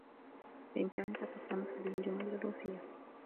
بإمكانك ترجمة هذه الجمل للرّوسيّة.